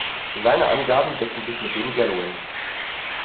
Seine Angaben deckten sich mit denen Galloways.